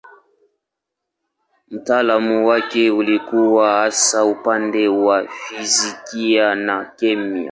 Utaalamu wake ulikuwa hasa upande wa fizikia na kemia.